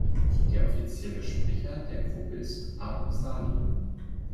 Der offizielle Sprecher der Gruppe ist Abu Salim.